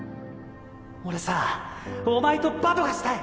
俺さお前とバドがしたい！